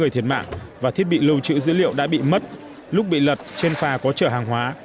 thiết bị lầu trữ dữ liệu đã bị mất lúc bị lật trên phà có trở hàng hóa